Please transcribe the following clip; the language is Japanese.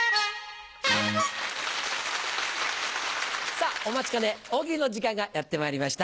さぁお待ちかね大喜利の時間がやってまいりました。